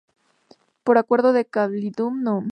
Por acuerdo de cabildo núm.